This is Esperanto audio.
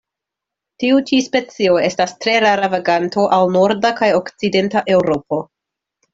Tiu ĉi specio estas tre rara vaganto al norda kaj okcidenta Eŭropo.